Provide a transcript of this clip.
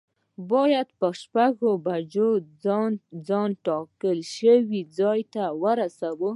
باید په شپږو بجو ځان ټاکل شوي ځای ته ورسوی.